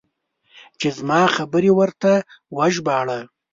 چې زما خبرې ورته وژباړه.